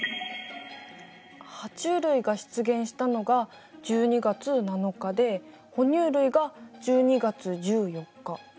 ハチュウ類が出現したのが１２月７日で哺乳類が１２月１４日。